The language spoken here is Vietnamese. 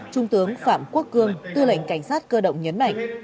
trung tướng phạm quốc cương tư lệnh cảnh sát cơ động nhấn mạnh